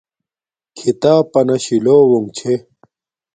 کھیتاپ پنا شیلوونݣ چھے